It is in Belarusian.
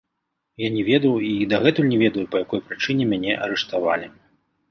Я не ведаў і дагэтуль не ведаю, па якой прычыне мяне арыштавалі.